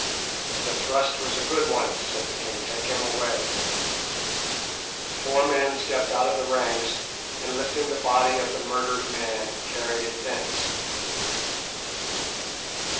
"The thrust was a good one," said the king; "take him away." Four men stepped out of the ranks, and lifting the body of the murdered man, carried it thence.